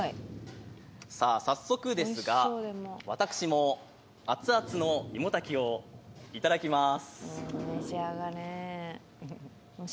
早速ですが、私も熱々のいも炊きをいただきます。